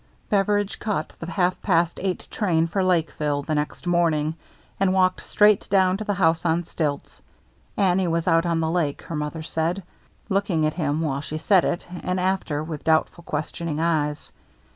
Beveridge caught the half past eight trdn for Lakeville the next morning, and walked BEVERIDGE SURPRISES HIMSELF 407 straight down to the house on stilts. Annie was out on the lake, her mother said, looking at him, while she said it, and after, with doubt ful, questioning eyes.